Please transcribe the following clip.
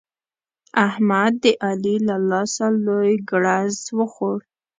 احمد د علي له لاسه لوی ګړز وخوړ.